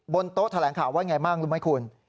บนโต๊ะแถลงข่าวว่าอย่างไรบ้างรู้ไหมคุณ